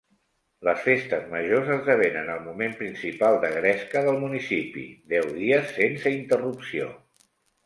Les festes majors esdevenen el moment principal de gresca del municipi, deu dies sense interrupció.